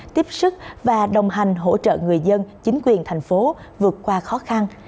tiếp sức và đồng hành hỗ trợ người dân chính quyền thành phố vượt qua khó khăn